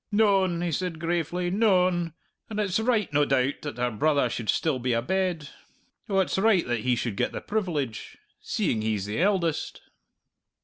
"Noan," he said gravely, "noan. And it's right, no doubt, that her brother should still be abed oh, it's right that he should get the privilege seeing he's the eldest!"